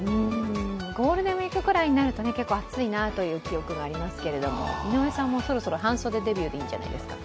ゴールデンウイークくらいになると結構暑いなという記憶がありますけど井上さんもそろそろ半袖デビューでいいんじゃないですか？